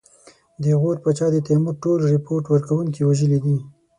د غور پاچا د تیمور ټول رپوټ ورکوونکي وژلي دي.